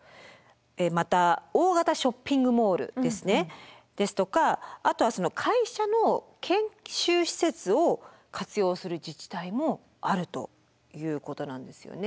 また大型ショッピングモールですとかあとはその会社の研修施設を活用する自治体もあるということなんですよね。